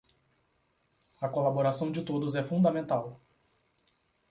A colaboração de todos é fundamental